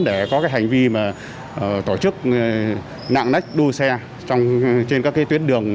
để có hành vi tổ chức nạn nách đua xe trên các tuyến đường